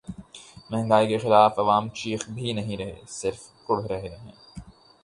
مہنگائی کے خلاف عوام چیخ بھی نہیں رہے‘ صرف کڑھ رہے ہیں۔